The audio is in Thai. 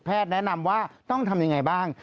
แนะนำว่าต้องทำยังไงบ้าง